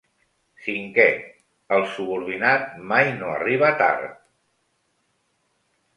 Cinquè: el subordinat mai no arriba tard...